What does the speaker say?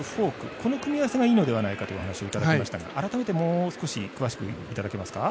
この組み合わせがいいのではないかという話がありましたが、改めて詳しくいただけますか？